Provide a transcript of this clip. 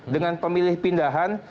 dengan pemilih pindahan